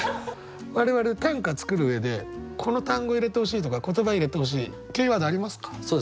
我々短歌作る上でこの単語入れてほしいとか言葉入れてほしいキーワードありますか？